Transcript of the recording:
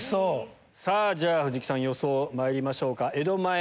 さぁ藤木さん予想まいりましょうか。